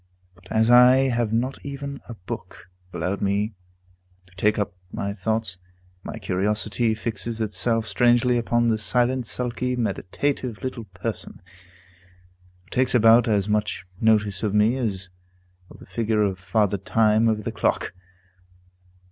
But as I have not even a book allowed me to take up my thoughts, my curiosity fixes itself strangely upon this silent, sulky, meditative little person, who takes about as much notice of me as of the figure of Father Time over the clock.